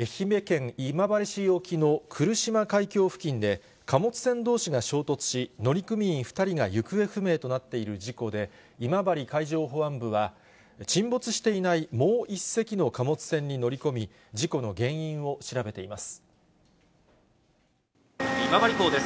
愛媛県今治市沖の来島海峡付近で、貨物船どうしが衝突し、乗組員２人が行方不明となっている事故で、今治海上保安部は、沈没していないもう１隻の貨物船に乗り込み、事故の原因を調べています。